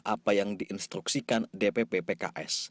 apa yang diinstruksikan dpp pks